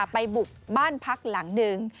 ไปบุกบ้านพักหลังหนึ่ง